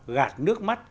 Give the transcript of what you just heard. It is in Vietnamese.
gạt nước mắt